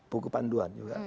buku panduan juga